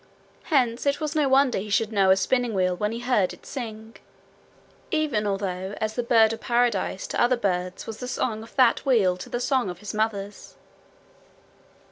Hence it was no wonder he should know a spinning wheel when he heard it sing even although as the bird of paradise to other birds was the song of that wheel to the song of his mother's.